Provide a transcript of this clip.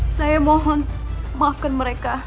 saya mohon maafkan mereka